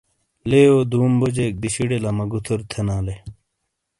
لیئو دُوم بوجیک دِیشِیڑے لما گُوتھُر تھینا لے۔